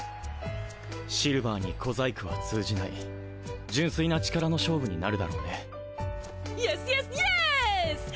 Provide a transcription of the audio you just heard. シルヴァーに小細工は通じない純粋な力の勝負になるだろうねイェスイェスイェス！